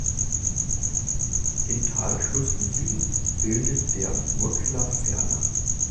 Den Talschluss im Süden bildet der Gurgler Ferner.